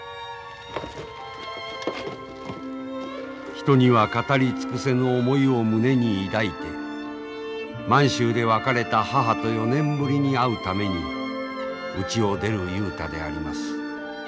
人には語り尽くせぬ思いを胸に抱いて満州で別れた母と４年ぶりに会うためにうちを出る雄太であります。